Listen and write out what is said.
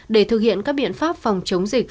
để thực hiện các biện pháp phòng chống dịch